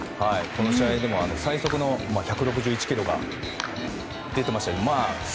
この試合でも最速の１６１キロが出てました。